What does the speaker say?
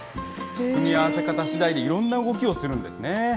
組み合わせ方しだいで、いろんな動きをするんですね。